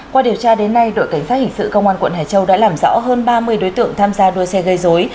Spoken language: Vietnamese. qua điều tra đến nay đội cảnh sát hình sự công an quận hải châu đã làm rõ hơn ba mươi đối tượng tham gia đua xe gây dối